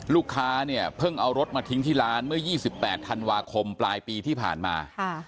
ลูกค้าเนี่ยเพิ่งเอารถมาทิ้งที่ร้านเมื่อ๒๘ธันวาคมปลายปีที่ผ่านมา